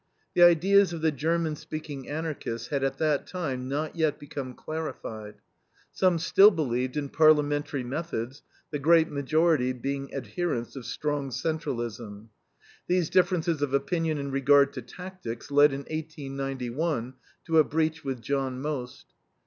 The ideas of the German speaking Anarchists had at that time not yet become clarified. Some still believed in parliamentary methods, the great majority being adherents of strong centralism. These differences of opinion in regard to tactics led in 1891 to a breach with John Most.